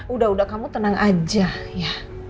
udah udah kamu tenang aja ya